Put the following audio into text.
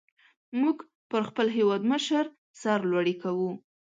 موږ پر خپل هېوادمشر سر لوړي کو.